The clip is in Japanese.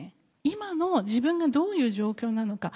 今の自分がどういう状況なのか。